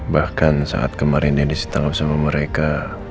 bahkan saat kemarin denis ditangkap sama mereka